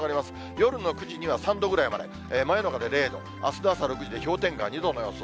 夜の９時には３度ぐらいまで、真夜中で０度、あすの朝６時で氷点下２度の予想。